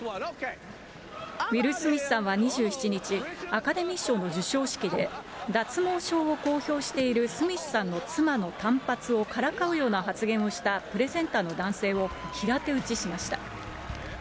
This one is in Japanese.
ウィル・スミスさんは２７日、アカデミー賞の授賞式で、脱毛症を公表しているスミスさんの妻の短髪をからかうような発言をしたプレゼンターの男性を平手打ちしました。